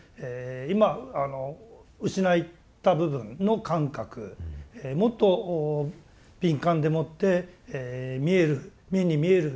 今失った部分の感覚もっと敏感でもって見える目に見える目に見えない